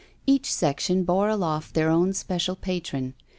Each section bore aloft their own special patron.